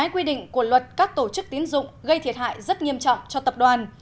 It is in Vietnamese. cuộc luật các tổ chức tiến dụng gây thiệt hại rất nghiêm trọng cho tập đoàn